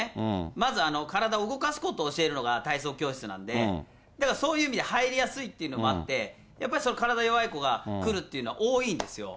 まず体を動かすことを教えるのが体操教室なんで、だからそういう意味で入りやすいというのもあって、やっぱり体弱い子が来るっていうのは、多いんですよ。